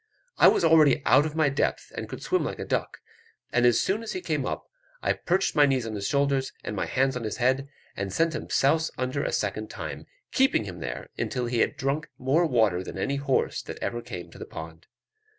I was already out of my depth, and could swim like a duck, and as soon as he came up, I perched my knees on his shoulders and my hands on his head, and sent him souse under a second time, keeping him there until he had drunk more water than any horse that ever came to the pond.